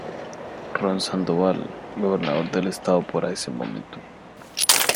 Ron Sandoval Gobernador del Estado para ese momento.